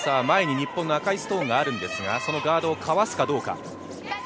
前に日本の赤いストーンがあるんですが、そのガードをかわすかどうか。